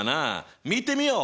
見てみよう！